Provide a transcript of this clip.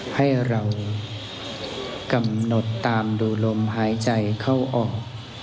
ให้เรากำหนดตามดูลมหายใจเข้าออก